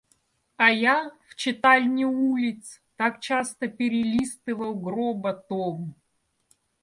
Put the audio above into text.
А я — в читальне улиц — так часто перелистывал гроба том.